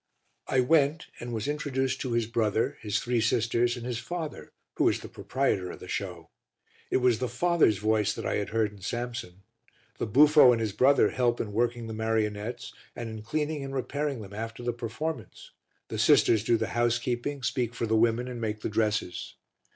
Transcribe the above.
I went and was introduced to his brother, his three sisters and his father who is the proprietor of the show. It was the father's voice that I had heard in Samson, the buffo and his brother help in working the marionettes and in cleaning and repairing them after the performance, the sisters do the housekeeping, speak for the women and make the dresses.